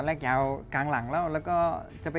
ตอนแรกยาวกว่านี้แล้วเพิ่งตัดได้๒อาทิตย์มั้งค่ะ